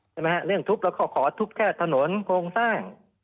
ใช่ไหมฮะเรื่องทุบแล้วก็ขอทุบแค่ถนนโครงสร้าง